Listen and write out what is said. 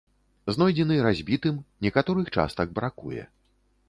Знойдзены разбітым, некаторых частак бракуе.